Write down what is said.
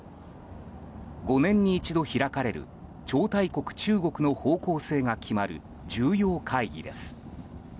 ５年に一度開かれる超大国中国の方向性が決まる重要会議です。